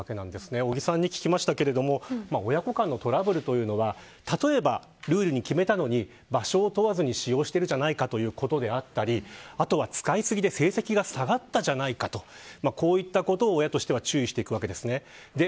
尾木さんに聞きましたけれど親子間のトラブルというのは例えばルールで決めたのに場所を問わずに使用しているじゃないかということだったりあとは使い過ぎで成績が下がったじゃないかとこういったことを、親としては注意していくわけですね。